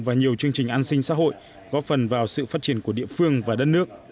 và nhiều chương trình an sinh xã hội góp phần vào sự phát triển của địa phương và đất nước